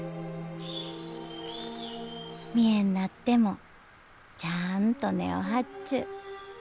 見えんなってもちゃあんと根を張っちゅう。